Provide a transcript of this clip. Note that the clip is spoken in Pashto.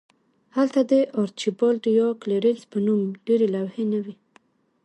هلته د آرچیبالډ یا کلیرنس په نوم ډیرې لوحې نه وې